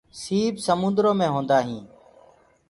سيپ سموُندرو مي هيندآ هينٚ۔